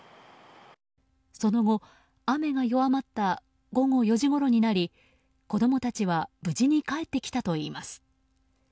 その後、雨が弱まった午後４時ごろになり子供たちは無事に帰ってきたといいます。